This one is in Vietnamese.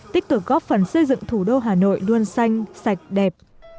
tích cực góp phần xây dựng thủ đô hà nội luôn xanh sạch đẹp